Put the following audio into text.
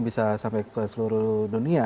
bisa sampai ke seluruh dunia